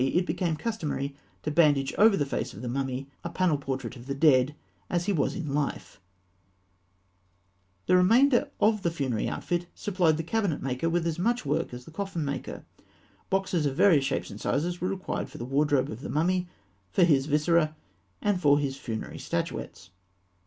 it became customary to bandage over the face of the mummy a panel portrait of the dead, as he was in life (fig. 264). The remainder of the funerary outfit supplied the cabinet maker with as much work as the coffin maker. Boxes of various shapes and sizes were required for the wardrobe of the mummy, for his viscera, and for his funerary statuettes.